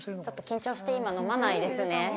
ちょっと緊張して今飲まないですね。